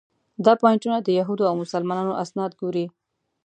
دا پواینټونه د یهودو او مسلمانانو اسناد ګوري.